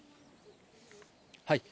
はい。